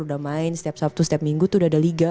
udah main setiap sabtu setiap minggu tuh udah ada liga